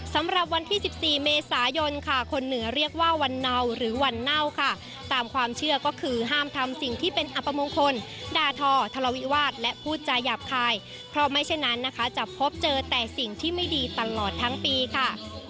สำหรับวันที่๑๔เมษายนค่ะคนเหนือเรียกว่าวันเนาหรือวันเน่าค่ะตามความเชื่อก็คือห้ามทำสิ่งที่เป็นอัปมงคลด่าทอทะเลาวิวาสและพูดจาหยาบคายเพราะไม่เช่นนั้นนะคะจะพบเจอแต่สิ่งที่ไม่ดีตลอดทั้งปีค่ะ